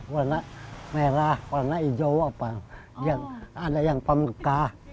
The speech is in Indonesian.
warna merah warna hijau ada yang pamekah